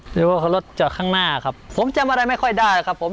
หรือว่ารถจอดข้างหน้าครับผมจำอะไรไม่ค่อยได้ครับผม